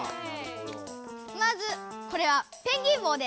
まずこれはペンギン帽です。